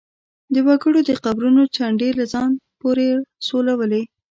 وګړو د قبرونو چنډې له ځان پورې سولولې.